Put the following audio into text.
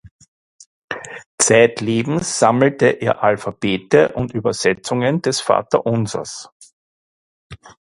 Zeitlebens sammelte er Alphabete und Übersetzungen des Vaterunsers.